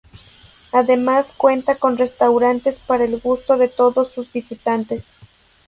Además cuenta con restaurantes para el gusto de todos sus visitantes.